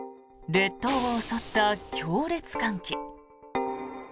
列島を襲った強烈寒気。